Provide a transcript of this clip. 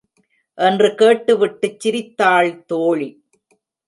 என்று கேட்டுவிட்டுச் சிரித்தாள் தோழி.